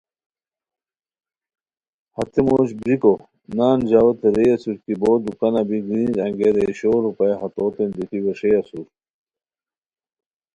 ہتے موش بیریکو نان ژاؤتے رے اسور کی بو دوکانہ بی گرینج انگیئے رے شور روپیہ ہتوتین دیتی ویݰیئے اسور